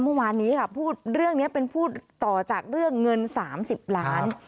เมื่อวานนี้ค่ะพูดเรื่องนี้เป็นพูดต่อจากเรื่องเงิน๓๐ล้าน